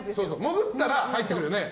潜ったら入ってくるよね。